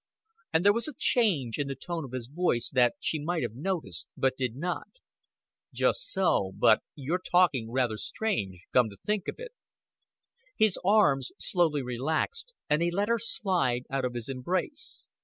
And there was a change in the tone of his voice that she might have noticed, but did not. "Just so but you're talking rather strange, come to think of it." His arms slowly relaxed, and he let her slide out of his embrace.